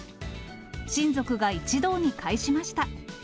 親族が一堂に会しました。